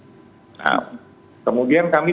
nah kemudian kami